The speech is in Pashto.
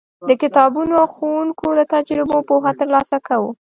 د کتابونو او ښوونکو له تجربو پوهه ترلاسه کوو.